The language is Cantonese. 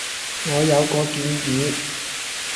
我有個建議